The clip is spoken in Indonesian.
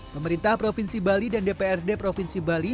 pemerintah provinsi bali dan dprd provinsi bali